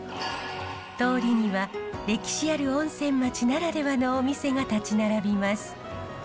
通りには歴史ある温泉町ならではのお店が立ち並びます。